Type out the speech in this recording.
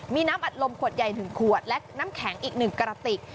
มีน้ำอัดลมขวดใหญ่๑ขวดและน้ำแข็งอีก๑กระติก